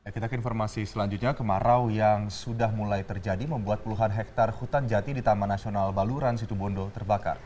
kita ke informasi selanjutnya kemarau yang sudah mulai terjadi membuat puluhan hektare hutan jati di taman nasional baluran situbondo terbakar